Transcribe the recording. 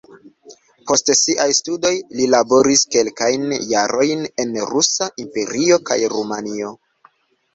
Post siaj studoj li laboris kelkajn jarojn en Rusa Imperio kaj Rumanio.